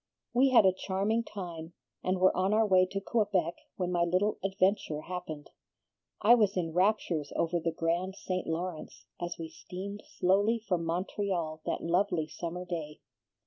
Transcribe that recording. We had a charming time, and were on our way to Quebec when my little adventure happened. I was in raptures over the grand St. Lawrence as we steamed slowly from Montreal that lovely summer day.